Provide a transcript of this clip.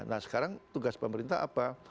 nah sekarang tugas pemerintah apa